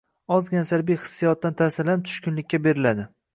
Ozgina salbiy hissiyotdan taʼsirlanib, tushkunlikka beriladi.